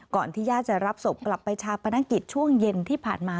ที่ญาติจะรับศพกลับไปชาปนกิจช่วงเย็นที่ผ่านมา